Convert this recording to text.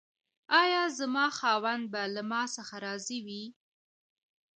ایا زما خاوند به له ما څخه راضي وي؟